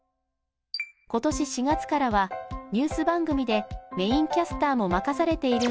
今年４月からはニュース番組でメインキャスターも任されているんです！